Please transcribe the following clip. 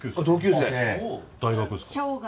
大学ですか？